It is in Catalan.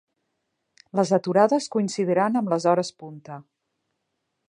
Les aturades coincidiran amb les hores punta.